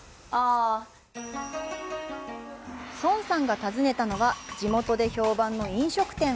孫さんが訪ねたのは、地元で評判の飲食店。